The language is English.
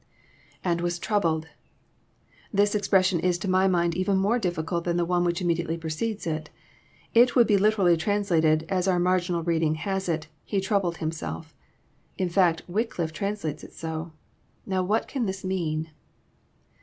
[^And was troubled.'] This expression is to my mind even more difficult than the one which immediately precedes it. It would be literally translated, as our marginal reading has it, " He troubled himself." In fact, Wycliffe translates it so. Now what can this mean